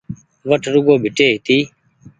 وٺ رگون ڀيٽي هيتي